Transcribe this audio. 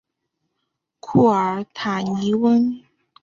库尔塔尼翁。